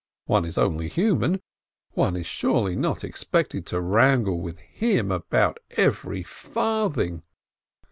One is only human — one is surely not expected to wrangle with him about every farthing?)